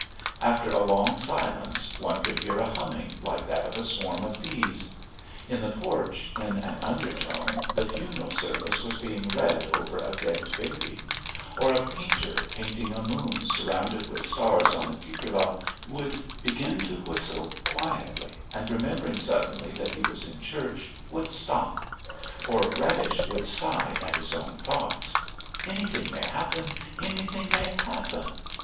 After a long silence one could hear a humming like that of a swarm of bees; in the porch, in an undertone, the funeral service was being read over a dead baby; or a painter painting a moon surrounded with stars on the cupola would begin to whistle quietly, and remembering suddenly that he was in a church, would stop; or Radish would sigh at his own thoughts: "Anything may happen! Anything may happen!"